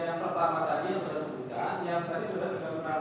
itu di pasaran pertama di bawah enam